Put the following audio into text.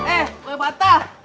eh gue bantah